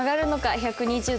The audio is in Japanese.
１２０度。